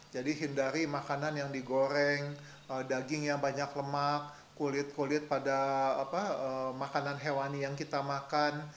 jadi hindari makanan yang digoreng daging yang banyak lemak kulit kulit pada makanan hewani yang kita makan